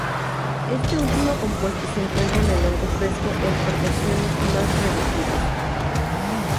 Este último compuesto se encuentra en el hongo fresco en proporciones más reducidas.